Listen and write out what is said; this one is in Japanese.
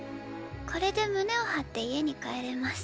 これで胸を張って家に帰れます。